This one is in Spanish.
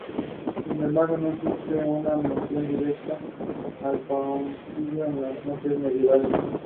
Estuvo hablando durante una hora.